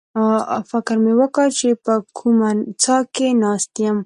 فکر مې کاوه چې په کومه څاه کې ناست یم.